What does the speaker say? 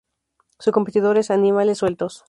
Su competidor es: Animales sueltos.